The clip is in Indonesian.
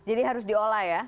jadi harus diolah ya